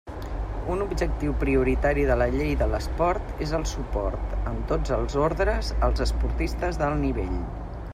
Un objectiu prioritari de la Llei de l'Esport és el suport, en tots els ordres, als esportistes d'alt nivell.